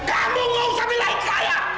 kamu gak usah bilang saya